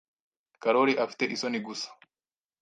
Karoli afite isoni gusa.